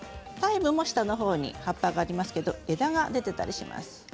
タイムも下のほうに葉っぱがありますけれども枝が出ていたりします。